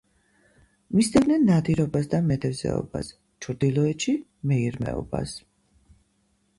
მისდევდნენ ნადირობას და მეთევზეობას, ჩრდილოეთში მეირმეობას.